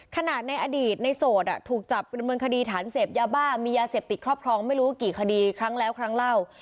ในอดีตในโสดถูกจับดำเนินคดีฐานเสพยาบ้ามียาเสพติดครอบครองไม่รู้กี่คดีครั้งแล้วครั้งเล่า